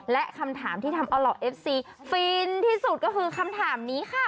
และคำถามที่ทำเอาเหล่าเอฟซีฟินที่สุดก็คือคำถามนี้ค่ะ